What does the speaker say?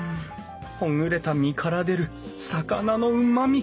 ほぐれた身から出る魚のうまみ！